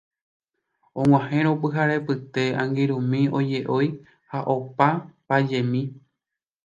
Og̃uahẽvo pyharepyte angirũmi oje'ói ha opa pajemi